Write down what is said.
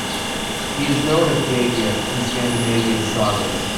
He is known as Gyrgir in Scandinavian sagas.